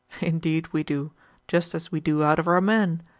"Indeed we do, just as we do out of our men.